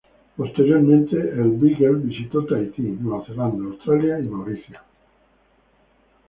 Posteriormente el "Beagle" visitó Tahití, Nueva Zelanda, Australia y Mauricio.